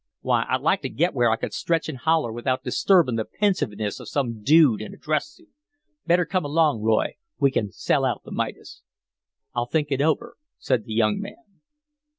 Why, I'd like to get where I could stretch an' holler without disturbin' the pensiveness of some dude in a dress suit. Better come along, Roy; we can sell out the Midas." "I'll think it over," said the young man.